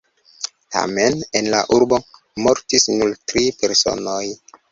Tamen en la urbo mortis nur tri personoj.